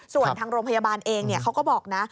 ส่วนทางโรงพยาบาลเองเขาก็บอกนะ